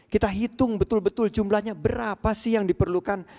kita hitung betul betul jumlahnya berapa sih yang diperlukan